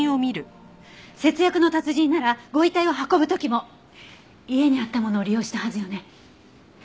節約の達人ならご遺体を運ぶ時も家にあったものを利用したはずよね。